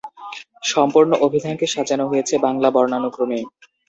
সম্পূর্ণ অভিধানকে সাজানো হয়েছে বাংলা বর্ণানুক্রমে।